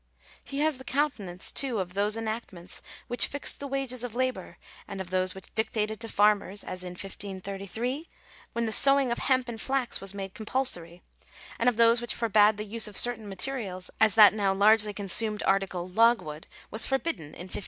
He has the countenance, too, of those enact ments which fixed the wages of labour ; and of those which dictated to farmers, as in 1533, when the sowing of hemp and flax was made compulsory ; and of those which forbad the use of certain materials, as that now largely consumed article, log wood, was forbidden in 1597.